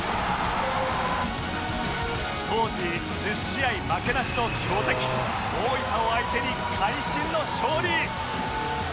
当時１０試合負けなしの強敵大分を相手に会心の勝利！